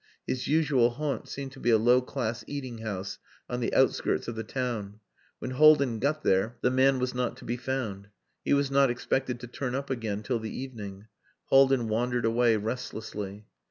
His usual haunt seemed to be a low class eating house on the outskirts of the town. When Haldin got there the man was not to be found. He was not expected to turn up again till the evening. Haldin wandered away restlessly.